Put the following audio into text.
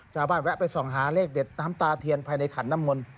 แวะไปส่องหาเลขเด็ดน้ำตาเทียนภายในขันน้ำมนต์